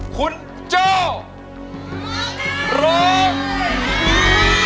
คุณจ้อร้องได้